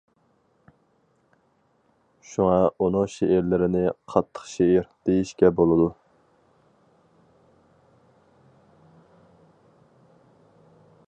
شۇڭا ئۇنىڭ شېئىرلىرىنى‹‹ قاتتىق شېئىر›› دېيىشكە بولىدۇ.